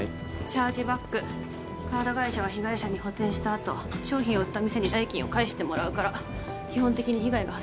チャージバックカード会社は被害者に補填したあと商品を売った店に代金を返してもらうから基本的に被害が発生しない